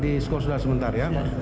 di skos sudah sebentar ya